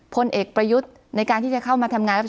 พลเอกประยุทธ์ในการที่จะเข้ามาทำงานรัฐ